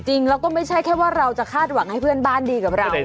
จริงแล้วก็ไม่ใช่แค่ว่าเราจะคาดหวังให้เพื่อนบ้านดีกับเรา